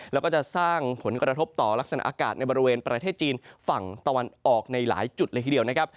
แล้วก็จะสร้างผลกระทบต่อลักษณะอากาศในบริเวณประเทศจีนฝั่งตะวันออกในหลายจุดเลยทีเดียวนะครับ